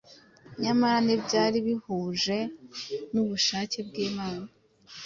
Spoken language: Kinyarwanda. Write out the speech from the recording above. Nyamara ntibyari bihuje n’ubushake bw’Imana